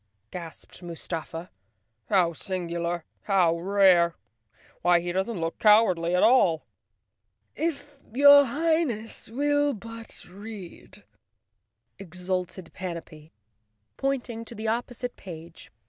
gasped Mustafa. "How singu¬ lar! How rare! Why, he doesn't look cowardly at all." "If your Highness will but read," exulted Panapee, pointing to the opposite page.